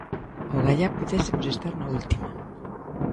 Ogallá puidésemos estar na última.